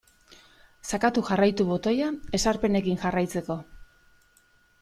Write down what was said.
Sakatu jarraitu botoia ezarpenekin jarraitzeko.